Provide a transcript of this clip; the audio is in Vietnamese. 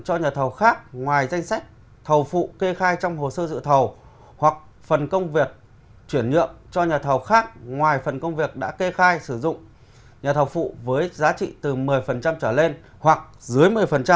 cho nhà thầu khác ngoài danh sách thầu phụ kê khai trong hồ sơ dự thầu hoặc phần công việc chuyển nhượng cho nhà thầu khác ngoài phần công việc đã kê khai sử dụng nhà thầu phụ với giá trị từ một mươi trở lên hoặc dưới một mươi